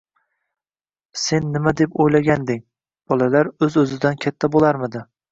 Sen nima deb o`ylaganding, bolalar o`z-o`zidan katta bo`lardimi